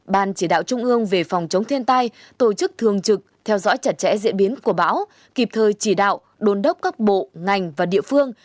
ban chỉ đạo trung ương về phòng chống thiên tai tổ chức thường trực theo dõi chặt chẽ diễn biến của bão kịp thời chỉ đạo đồn đốc các bộ ngành và địa phương